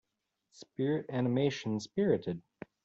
Spirit animation Spirited.